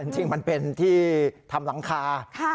จริงมันเป็นที่ทำหลังคา